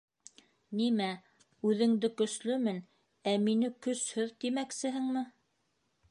Нимә, үҙеңде көслөмөн, ә мине көсһөҙ тимәксеһеңме?